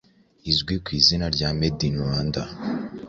izwi ku izina rya “Made in Rwanda”,